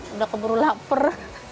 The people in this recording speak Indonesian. udah keburu lapar